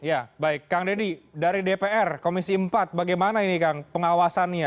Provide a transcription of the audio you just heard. ya baik kang deddy dari dpr komisi empat bagaimana ini kang pengawasannya